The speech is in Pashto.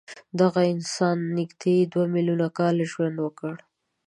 دغه انسان نږدې دوه میلیونه کاله ژوند وکړ.